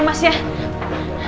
bertahan ya mas ya